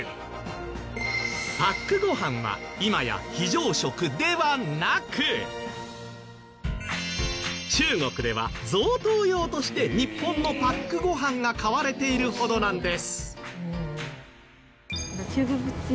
パックご飯は中国では贈答用として日本のパックご飯が買われているほどなんです。